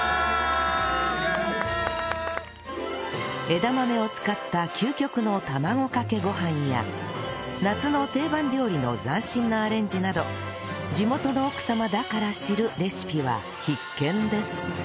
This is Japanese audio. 枝豆を使った究極の卵かけご飯や夏の定番料理の斬新なアレンジなど地元の奥様だから知るレシピは必見です